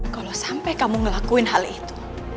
kalau sampai kamu ngelakuin hal itu